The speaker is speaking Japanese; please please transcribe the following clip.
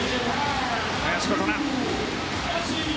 林琴奈。